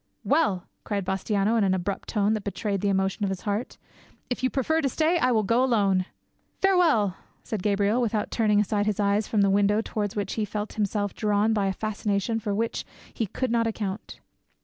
"Well," cried Bastiano in an abrupt tone that betrayed the emotion of his heart, "if you prefer to stay, I will go alone." "Farewell," said Gabriel, without turning aside his eyes from the window towards which he felt himself drawn by a fascination for which he could not account.